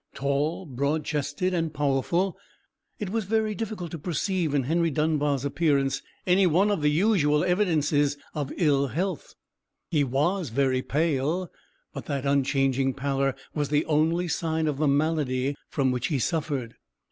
Tall, broad chested, and powerful, it was very difficult to perceive in Henry Dunbar's appearance any one of the usual evidences of ill health. He was very pale: but that unchanging pallor was the only sign of the malady from which he suffered.